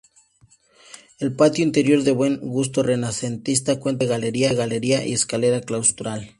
El patio interior, de buen gusto renacentista, cuenta con doble galería y escalera claustral.